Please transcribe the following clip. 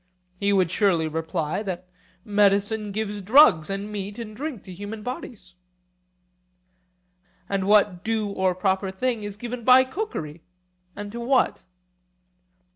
He would surely reply that medicine gives drugs and meat and drink to human bodies. And what due or proper thing is given by cookery, and to what?